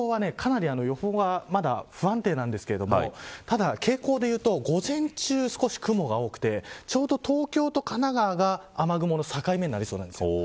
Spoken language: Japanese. あしたの予報はかなり不安定なんですけれどもただ傾向で言うと午前中、少し雲が多くてちょうど東京と神奈川が雨雲の境目になりそうなんです。